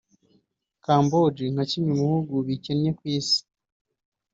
Cambodge nka kimwe mu bihugu bikennye ku isi